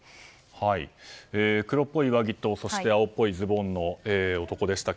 黒っぽい上着と青っぽいズボンの男でしたが。